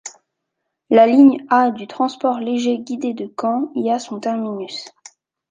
La ligne A du transport léger guidé de Caen y a son terminus.